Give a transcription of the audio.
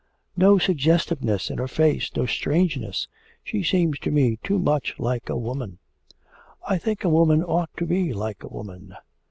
'No suggestiveness in her face, no strangeness; she seems to me too much like a woman.' 'I think a woman ought to be like a woman.